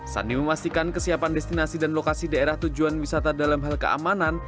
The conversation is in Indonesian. sandi memastikan kesiapan destinasi dan lokasi daerah tujuan wisata dalam hal keamanan